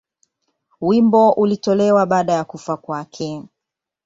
Wimbo ulitolewa baada ya kufa kwake.